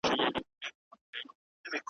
له خپل پلاره دي وانه خيستل پندونه `